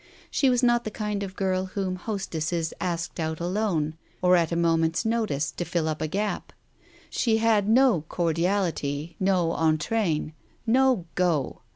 She was not the kind of girl whom hostesses asked out alone, or at a moment's notice, to fill up a gap. She had no cordiality, no entrain, no "go."